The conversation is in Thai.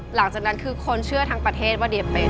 หลังจากนั้นคือคนเชื่อทั้งประเทศว่าเดียเป็น